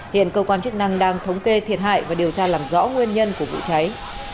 hiện cơ quan chức năng đang thống kê thiệt hại và điều tra làm rõ nguyên nhân của vụ cháy